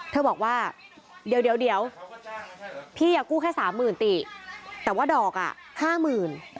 เธอบอกว่าเดี๋ยวเดี๋ยวพี่กู้แค่สามหมื่นติแต่ว่าดอกอ่ะห้าหมื่น